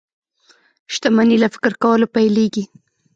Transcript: شتمني له فکر کولو پيلېږي.